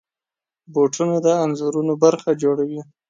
بوټونه د انځورونو برخه جوړوي.